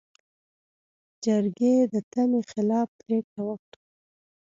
جرګې د تمې خلاف پرېکړه وکړه.